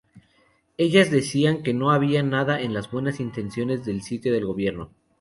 Ellas decían que no había nada en las buenas intenciones del sitio del gobierno.